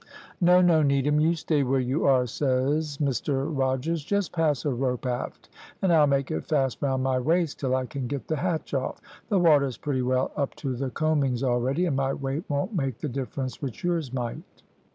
"`No, no, Needham, you stay where you are,' says Mr Rogers. `Just pass a rope aft and I'll make it fast round my waist till I can get the hatch off. The water is pretty well up to the coamings already, and my weight won't make the difference which yours might.'